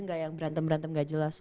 nggak yang berantem berantem gak jelas